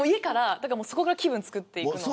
そこから気分を作っていくので。